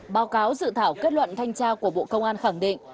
báo cáo dự thảo kết luận thanh tra của bộ công an khẳng định